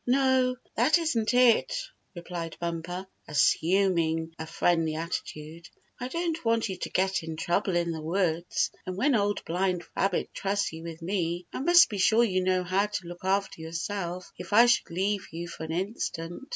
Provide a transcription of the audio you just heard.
"No, that isn't it," replied Bumper, assuming a friendly attitude. "I don't want you to get in trouble in the woods and when Old Blind Rab bit trusts you with me I must be sure you know how to look after yourself if I should leave you for an instant.